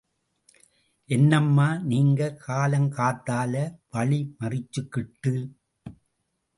என்னம்மா நீங்க.. காலங்காத்தால வழிமறிச்சுக்கிட்டு?